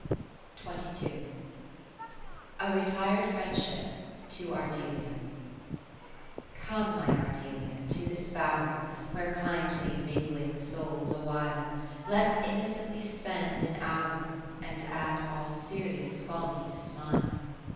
Katherine Philips A retir'd Friendship. To Ardelia Come, my Ardelia, to this Bower, Where kindly mingling souls awhile, Let 's innocently spend an hour, And at all serious follies smile.